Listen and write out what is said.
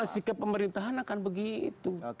sikap pemerintahan akan begitu